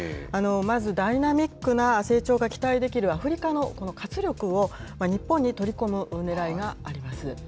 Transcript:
まずダイナミックな成長が期待できるアフリカのこの活力を、日本に取り込むねらいがあります。